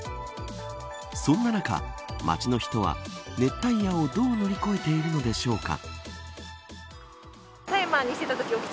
そんな中、街の人は熱帯夜をどう乗り越えているのでしょうか。